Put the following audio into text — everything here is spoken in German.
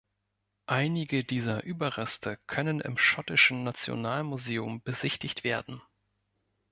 Einige dieser Überreste können im schottischen Nationalmuseum besichtigt werden.